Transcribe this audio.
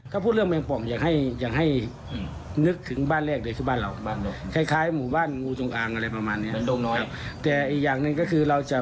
เขาพูดเรื่องแมงป่องอย่างให้นึกถึงบ้านแรกเลยคือบ้านเหล่า